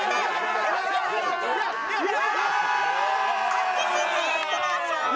淳チームの勝利！